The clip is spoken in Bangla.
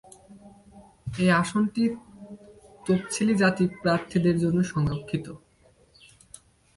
এই আসনটি তফসিলি জাতি প্রার্থীদের জন্য সংরক্ষিত।